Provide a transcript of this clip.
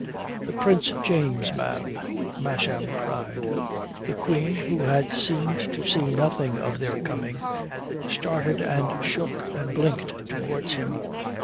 "The Prince James, ma'am," Masham cried. The Queen, who had seemed to see nothing of their coming, started and shook and blinked towards him.